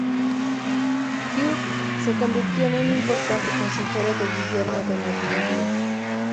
Hugh se convirtió en un importante consejero de Guillermo de Normandía.